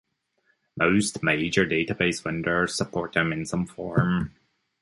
Most major database vendors support them in some form.